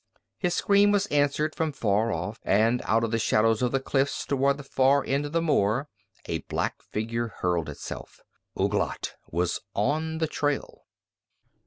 His scream was answered from far off, and out of the shadows of the cliffs toward the far end of the moor a black figure hurled itself. Ouglat was on the trail!